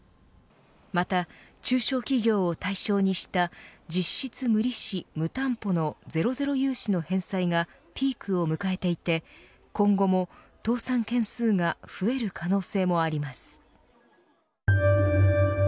また中小企業を対象にした実質無利子・無担保のゼロゼロ融資の返済がピークを迎えていて今後も、倒産件数が増える可能性もあります。